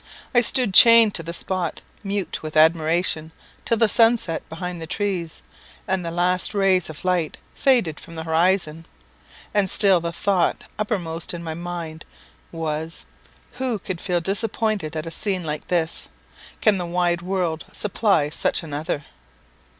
I stood chained to the spot, mute with admiration, till the sun set behind the trees, and the last rays of light faded from the horizon; and still the thought uppermost in my mind was who could feel disappointed at a scene like this? Can the wide world supply such another?